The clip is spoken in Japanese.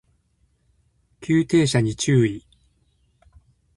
急停車に注意